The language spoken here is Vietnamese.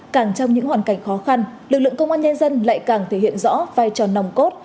càng trong những hoàn cảnh khó khăn lực lượng công an nhân dân lại càng thể hiện rõ vai trò nòng cốt